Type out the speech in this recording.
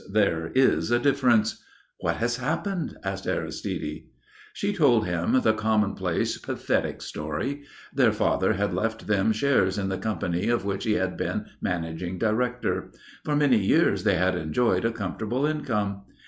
There is a difference." "What has happened?" asked Aristide. She told him the commonplace pathetic story. Their father had left them shares in the company of which he had been managing director. For many years they had enjoyed a comfortable income.